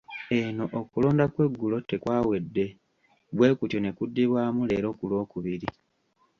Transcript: Eno okulonda kw’eggulo tekwawedde bwe kutyo ne kuddibwamu leero ku Lwokubiri.